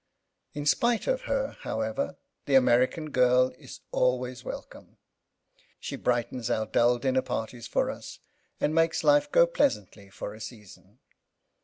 In spite of her, however, the American girl is always welcome. She brightens our dull dinner parties for us and makes life go pleasantly by for a season.